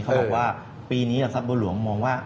เขาบอกว่าปีนี้ทรัพย์บัวหลวงมองว่า